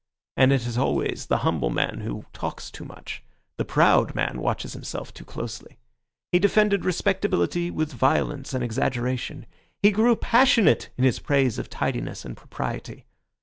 And it is always the humble man who talks too much; the proud man watches himself too closely. He defended respectability with violence and exaggeration. He grew passionate in his praise of tidiness and propriety.